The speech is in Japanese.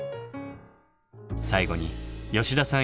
最後に吉田さん